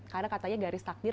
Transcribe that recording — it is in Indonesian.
karena katanya garis takdir